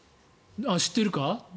知ってるか？